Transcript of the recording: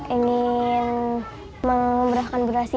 ingin memberahkan bu rosi